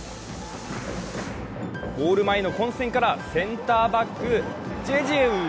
ゴール前の混戦からセンターバック、ジェジエウ。